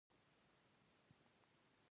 وزیر په کلیو، کوڅو او کورونو کې وګرځېد.